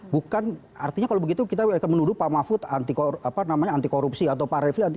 bukan artinya kalau begitu kita akan menuduh pak mahfud anti korupsi atau pak refli